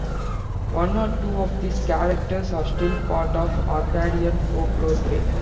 One or two of these characters are still part of Orcadian folklore today.